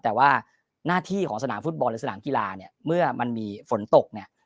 แต่ว่าหน้าที่ของสนามฟุตบอลหรือสนามกีฬาเนี่ยเมื่อมันมีฝนตกเนี่ย